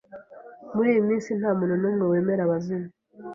Muri iyi minsi ntamuntu numwe wemera abazimu.